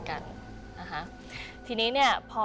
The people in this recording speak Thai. อ่าฮะทีนี้เนี่ยพอ